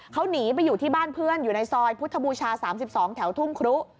เขาหนีไปอยู่ที่บ้านเพื่อนอยู่ในซอยพุทธบูชา๓๒แถวทุ่งครุ